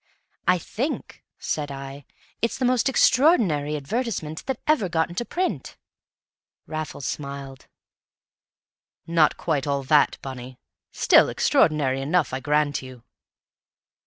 "I think," said I, "it's the most extraordinary advertisement that ever got into print!" Raffles smiled. "Not quite all that, Bunny; still, extraordinary enough, I grant you."